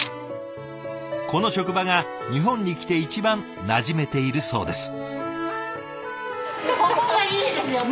この職場が日本に来て一番なじめているそうです。